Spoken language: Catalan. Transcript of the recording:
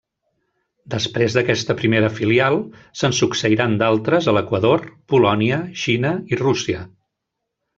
Després d'aquesta primera filial se'n succeiran d'altres a l'Equador, Polònia, Xina i Rússia.